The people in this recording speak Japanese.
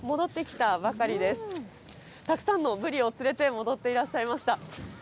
たくさんのブリをつれて戻っていらっしゃいました。